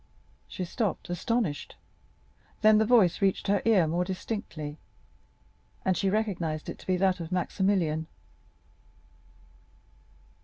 She stopped astonished, then the voice reached her ear more distinctly, and she recognized it to be that of Maximilian.